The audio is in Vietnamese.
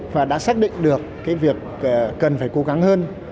và đã xác định được cái việc cần phải cố gắng hơn